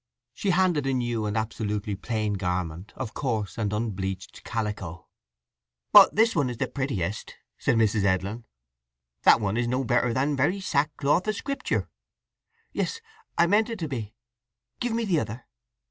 She handed a new and absolutely plain garment, of coarse and unbleached calico. "But this is the prettiest," said Mrs. Edlin. "That one is no better than very sackcloth o' Scripture!" "Yes—I meant it to be. Give me the other."